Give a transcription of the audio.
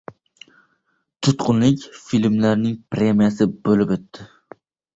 “Tutqunlik” filmining premyerasi bo‘lib o‘tdi